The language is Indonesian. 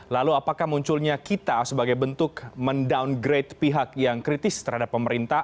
lalu apakah munculnya kita sebagai bentuk mendowngrade pihak yang kritis terhadap pemerintah